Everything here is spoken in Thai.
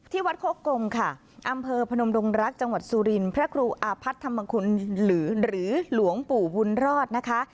วัดโคกรมค่ะอำเภอพนมดงรักจังหวัดสุรินทร์พระครูอาพัฒนธรรมคุณหรือหลวงปู่บุญรอดนะคะ